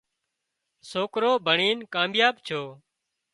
سوڪرو ڀڻين ڪامياب ڇو